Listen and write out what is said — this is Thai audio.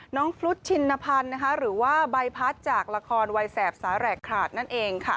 ฟรุชชินพันธ์หรือว่าใบพัดจากละครวัยแสบสาแหลกขาดนั่นเองค่ะ